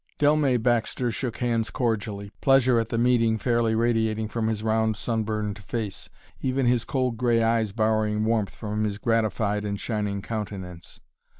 Dellmey Baxter shook hands cordially, pleasure at the meeting fairly radiating from his round, sunburned face, even his cold gray eyes borrowing warmth from his gratified and shining countenance.